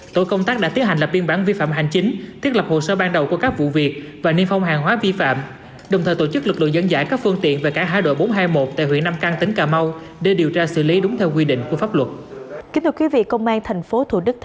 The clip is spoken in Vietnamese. tổ công tác đã tiến hành lập biên bản vi phạm hành chính thiết lập hồ sơ ban đầu của các vụ việc và niêm phong hàng hóa vi phạm đồng thời tổ chức lực lượng dẫn giải các phương tiện về cảng hải đội bốn trăm hai mươi một tại huyện nam căn tỉnh cà mau để điều tra xử lý đúng theo quy định của pháp luật